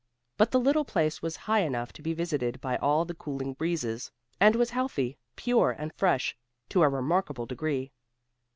But the little place was high enough to be visited by all the cooling breezes, and was healthy, pure and fresh, to a remarkable degree.